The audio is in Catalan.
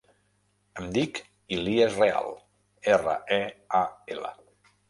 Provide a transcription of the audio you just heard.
Em dic Ilías Real: erra, e, a, ela.